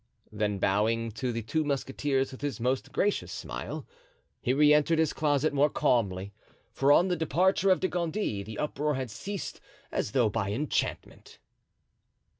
Then bowing to the two musketeers with his most gracious smile, he re entered his closet more calmly, for on the departure of De Gondy the uproar had ceased as though by enchantment.